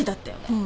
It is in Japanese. うん。